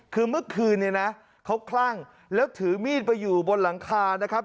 คือเมื่อคืนเนี่ยนะเขาคลั่งแล้วถือมีดไปอยู่บนหลังคานะครับ